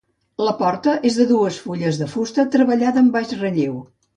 La porta és de dues fulles de fusta treballada en baix relleu.